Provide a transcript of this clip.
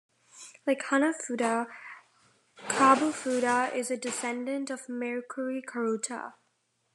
Like hanafuda, kabufuda is a descendent of mekuri karuta.